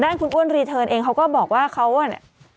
คุณอ้วนรีเทิร์นเองเขาก็บอกว่าเขาอ่ะเนี่ย